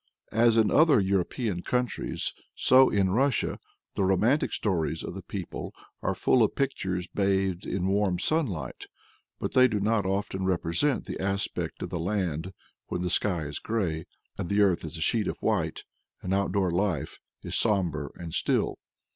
As in other European countries, so in Russia, the romantic stories of the people are full of pictures bathed in warm sunlight, but they do not often represent the aspect of the land when the sky is grey, and the earth is a sheet of white, and outdoor life is sombre and still.